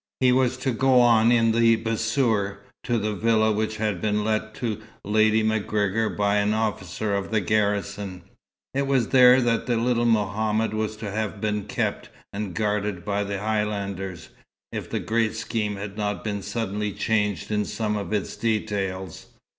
He was to go on in the bassour, to the villa which had been let to Lady MacGregor by an officer of the garrison. It was there the little Mohammed was to have been kept and guarded by the Highlanders, if the great scheme had not been suddenly changed in some of its details.